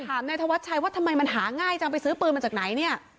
นายธวัชชัยว่าทำไมมันหาง่ายจังไปซื้อปืนมาจากไหนเนี่ย